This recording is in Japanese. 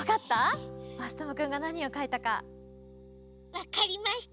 わかりました。